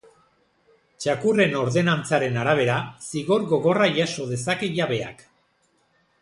Txakurren ordenantzaren arabera, zigor gogorra jaso dezake jabeak.